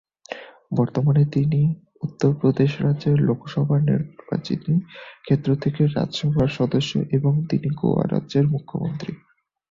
বর্তমানে তিনি উত্তর প্রদেশ রাজ্যের লোকসভা নির্বাচনী ক্ষেত্র থেকে রাজ্যসভার সদস্য এবং তিনি গোয়া রাজ্যের মুখ্যমন্ত্রী।